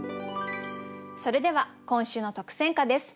それでは今週の特選歌です。